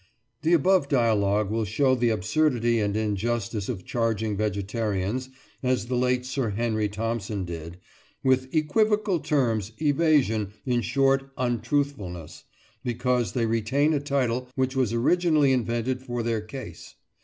The above dialogue will show the absurdity and injustice of charging vegetarians, as the late Sir Henry Thompson did, with "equivocal terms, evasion—in short, untruthfulness," because they retain a title which was originally invented for their case.